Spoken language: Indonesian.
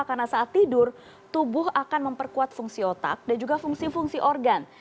karena saat tidur tubuh akan memperkuat fungsi otak dan juga fungsi fungsi organ